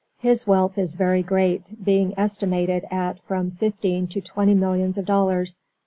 His wealth is very great, being estimated at from fifteen to twenty millions of dollars.